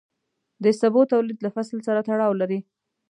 د سبو تولید له فصل سره تړاو لري.